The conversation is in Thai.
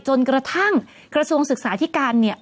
จนกระทั่งกระทรวงศึกษาที่การเนี่ย